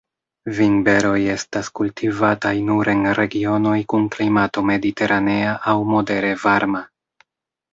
Vinberoj estas kultivataj nur en regionoj kun klimato mediteranea aŭ modere varma.